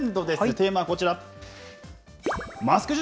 テーマはこちら。